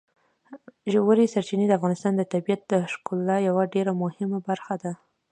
ژورې سرچینې د افغانستان د طبیعت د ښکلا یوه ډېره مهمه برخه ده.